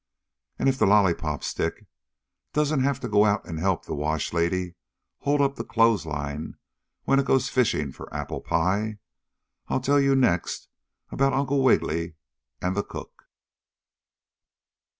And if the lollypop stick doesn't have to go out and help the wash lady hold up the clothesline when it goes fishing for apple pie I'll tell you next about Uncle Wiggily and the cook.